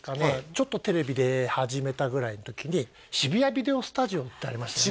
ちょっとテレビ出始めたぐらいの時に渋谷ビデオスタジオってありましたよね？